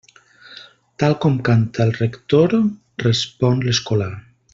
Tal com canta el rector respon l'escolà.